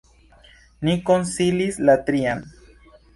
Ni konsilis la trian.